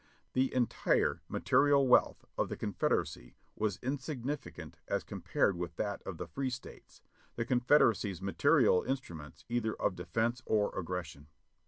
The entire ma terial wealth of the Confederacy was insignificant as compared THE WHY AND THE WHEREEORE 715 with that of the free States; the Confederacy's material instru ments either of defense or aggression.